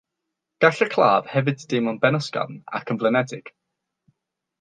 Gall y claf hefyd deimlo'n benysgafn ac yn flinedig.